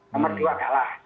nomor dua kalah